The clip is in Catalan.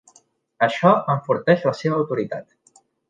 Això enforteix la seva autoritat.